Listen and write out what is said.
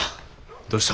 どうした？